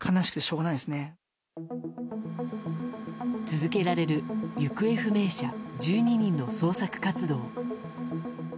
続けられる行方不明者１２人の捜索活動。